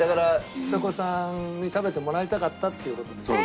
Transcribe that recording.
ちさ子さんに食べてもらいたかったっていう事です。